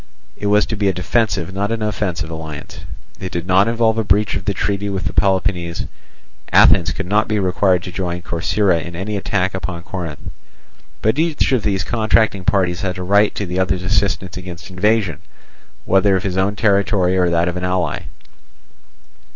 It was to be a defensive, not an offensive alliance. It did not involve a breach of the treaty with Peloponnese: Athens could not be required to join Corcyra in any attack upon Corinth. But each of the contracting parties had a right to the other's assistance against invasion, whether of his own territory or that of an ally.